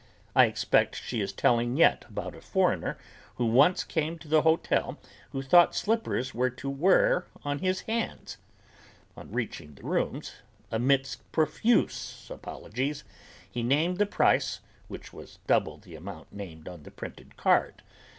I expect she is telling yet about a foreigner who once came to the hotel who thought slippers were to wear on his hands. On reaching the rooms, amidst profuse apologies, he named the price which was double the amount named on the printed card.